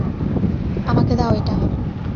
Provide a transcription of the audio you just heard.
আমাকে দাও এটা।